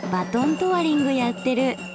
トワリングやってる。